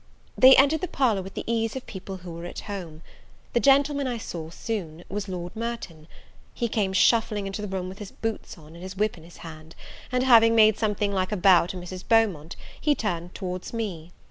They entered the parlour with the ease of people who were at home. The gentleman, I soon saw, was Lord Merton: he came shuffling into the room with his boots on, and his whip in his hand; and having made something like a bow to Mrs. Beaumont, he turned towards me.